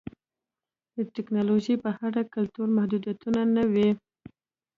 د ټکنالوژۍ په اړه کلتوري محدودیتونه نه وو